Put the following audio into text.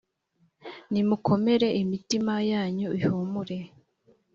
nimukomere imitima yanyu ihumure